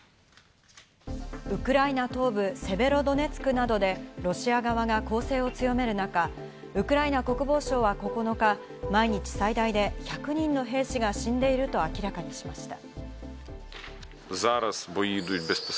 ウクライナ東部セベロドネツクなどでロシア側が攻勢を強める中、ウクライナ国防省は９日、毎日最大で１００人の兵士が死んでいると明らかにしました。